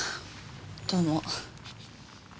どうも。